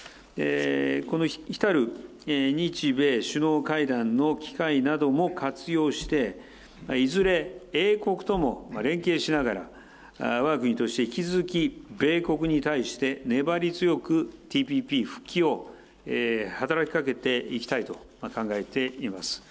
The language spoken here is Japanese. この来る日米首脳会談の機会なども活用して、いずれ英国とも連携しながら、わが国として引き続き、米国に対して、粘り強くＴＰＰ復帰を働きかけていきたいと考えています。